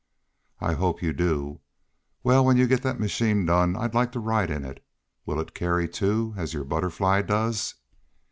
"I hope you do. Well, when you get the machine done I'd like to ride in it. Will it carry two, as your Butterfly does?"